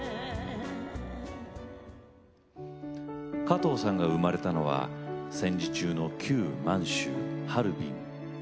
加藤さんが生まれたのは戦時中の旧満州・ハルビン。